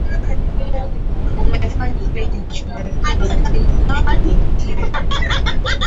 umefanya kile kinachotakiwa katika kushughulikia